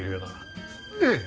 ええ。